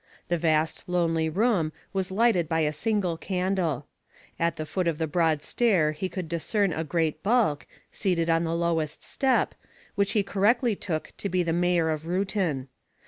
The vast lonely room was lighted by a single candle. At the foot of the broad stair he could discern a great bulk, seated on the lowest step, which he correctly took to be the mayor of Reuton.